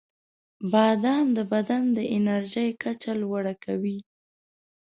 • بادام د بدن د انرژۍ کچه لوړه کوي.